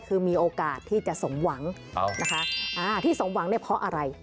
คือมีโอกาสที่จะสมหวังนะคะอ่าที่สมหวังเนี่ยเพราะอะไร